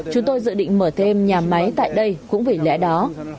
chúng tôi dự định mở thêm nhà máy tại đây cũng vì lẽ đó